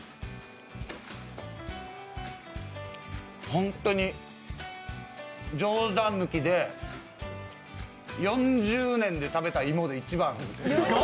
本当に、冗談抜きで４０年で食べた芋で一番。